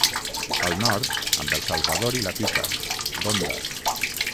Al nord, amb el Salvador i la Pica, d'Onda.